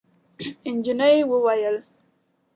نجلۍ وویل: